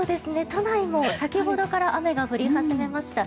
都内も先ほどから雨が降り始めました。